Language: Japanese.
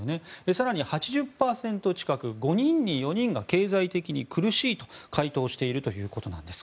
更に、８０％近く５人に４人が経済的に苦しいと回答しているということなんです。